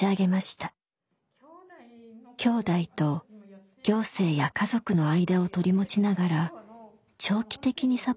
きょうだいと行政や家族の間を取り持ちながら長期的にサポートしたいと考えています。